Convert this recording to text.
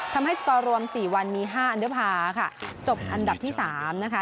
ทำให้สกอร์รวมสี่วันมีห้าอันเดอร์พาค่ะจบอันดับที่สามนะคะ